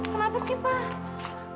kenapa sih pak